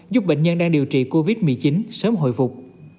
giúp bệnh nhân đang điều trị covid một mươi chín sớm hồi phục